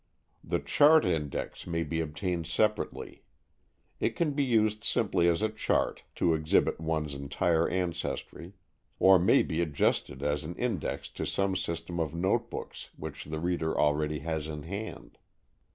The Chart Index may be obtained separately. It can be used simply as a chart, to exhibit one's entire ancestry, or may be adjusted as an index to some system of notebooks which the reader already has in hand.